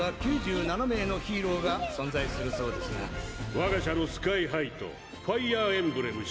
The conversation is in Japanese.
我が社のスカイハイとファイヤーエンブレム氏